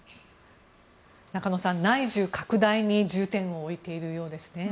中野さん、内需拡大に重点を置いているようですね。